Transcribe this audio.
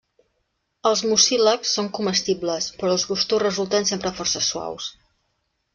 Els mucílags són comestibles, però els gustos resulten sempre força suaus.